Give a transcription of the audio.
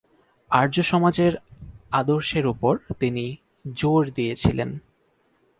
আর্য সমাজের আদর্শের উপর তিনি জোর দিয়েছিলেন।